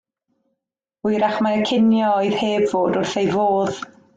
Hwyrach mai y cinio oedd heb fod wrth ei fodd.